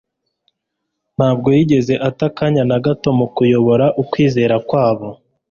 ntabwo yigeze ata akanya na gato mu kuyobora ukwizera kwabo